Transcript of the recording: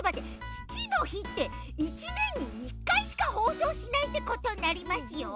ちちのひって１ねんに１かいしかほうそうしないってことになりますよ。